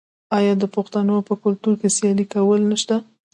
آیا د پښتنو په کلتور کې سیالي کول نشته؟